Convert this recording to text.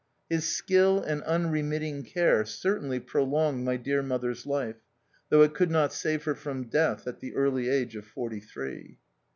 His skill and unremitting care certainly prolonged my dear mother's life, though it could not save her from death at the early age of forty three.